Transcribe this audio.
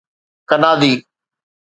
ڪنادي